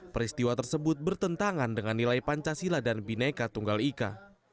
peristiwa tersebut bertentangan dengan nilai pancasila dan bineka tunggal ika